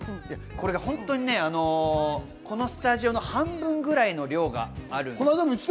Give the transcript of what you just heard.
本当にこのスタジオの半分ぐらいの量があるんです。